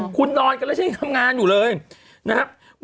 คุณนอนกันแล้วฉันยังทำงานอยู่เลยนะครับ